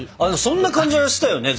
そんな感じはしたよね！